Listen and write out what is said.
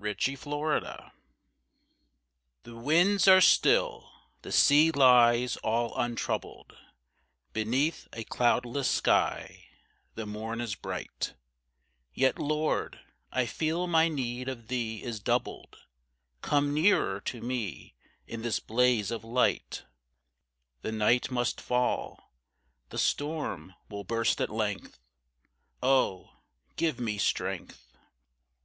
DECEITFUL CALM The winds are still; the sea lies all untroubled Beneath a cloudless sky; the morn is bright, Yet, Lord, I feel my need of Thee is doubled; Come nearer to me in this blaze of light; The night must fall, the storm will burst at length. Oh! give me strength.